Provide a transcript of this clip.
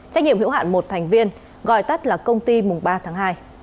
trách nhiệm hữu hạn một thành viên gọi tắt là công ty mùng ba tháng hai